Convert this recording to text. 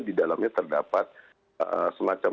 didalamnya terdapat semacam